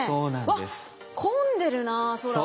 わっ混んでるな空が。